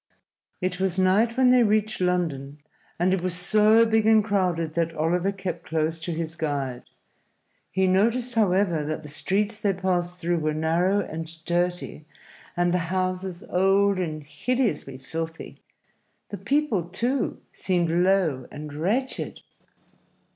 It was night when they reached London, and it was so big and crowded that Oliver kept close to his guide. He noticed, however, that the streets they passed through were narrow and dirty and the houses old and hideously filthy. The people, too, seemed low and wretched.